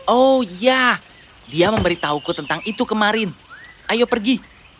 oh ya dia memberitahuku tentang itu kemarin ayo pergi